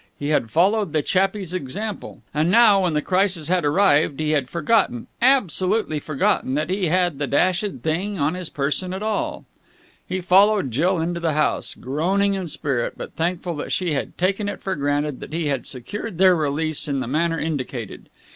He had followed the chappie's example. And now, when the crisis had arrived, he had forgotten absolutely forgotten! that he had the dashed thing on his person at all. He followed Jill into the house, groaning in spirit, but thankful that she had taken it for granted that he had secured their release in the manner indicated.